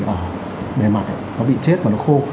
ở bề mặt nó bị chết và nó khô